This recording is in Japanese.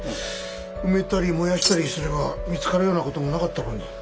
埋めたり燃やしたりすれば見つかるような事もなかったろうに。